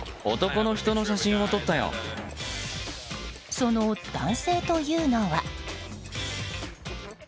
その男性というのは。